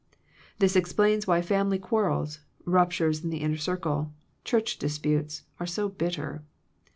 This ex plains why family quarrels, ruptures in the inner circle. Church disputes, are so bitter.